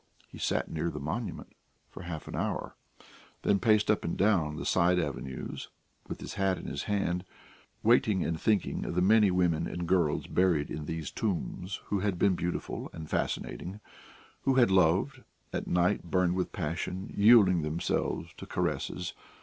He sat near the monument for half an hour, then paced up and down the side avenues, with his hat in his hand, waiting and thinking of the many women and girls buried in these tombs who had been beautiful and fascinating, who had loved, at night burned with passion, yielding themselves to caresses.